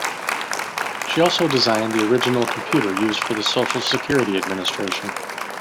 She also designed the original computer used for the Social Security Administration.